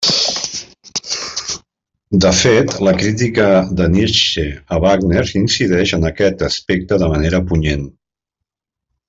De fet, la crítica de Nietzsche a Wagner incideix en aquest aspecte de manera punyent.